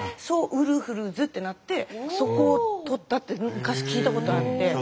「ソウルフルズ」ってなってそこを取ったって昔聞いたことあって。